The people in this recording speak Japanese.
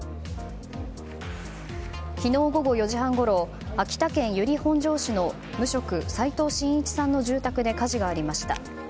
昨日午後４時半ごろ秋田県由利本荘市の無職、齋藤真一さんの住宅で火事がありました。